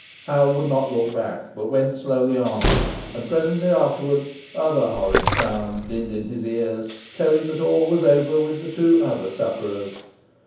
Hal would not look back, but went slowly on, and presently afterwards other horrid sounds dinned in his ears, telling that all was over with the two other sufferers.